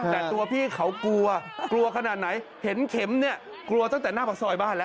แต่ตัวพี่เขากลัวกลัวขนาดไหนเห็นเข็มเนี่ยกลัวตั้งแต่หน้าปากซอยบ้านแล้ว